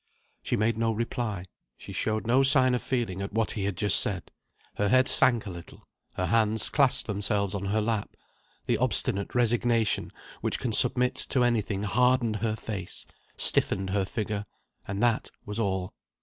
She made no reply; she showed no sign of feeling at what he had just said. Her head sank a little; her hands clasped themselves on her lap; the obstinate resignation which can submit to anything hardened her face, stiffened her figure and that was all.